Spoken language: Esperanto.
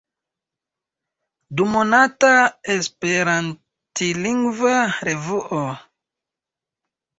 Dumonata esperantlingva revuo.